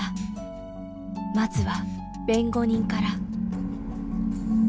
まずは弁護人から。